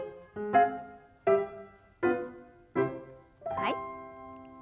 はい。